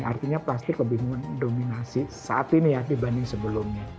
artinya plastik lebih mendominasi saat ini ya dibanding sebelumnya